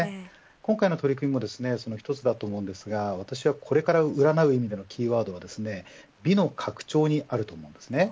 今回の取り組みもその一つだと思いますが、私はこれからを占う意味でのキーワードは美の拡張にあると思います。